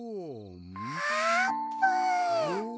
あーぷん！